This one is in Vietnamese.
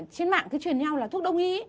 trên mạng cứ truyền nhau là thuốc đông y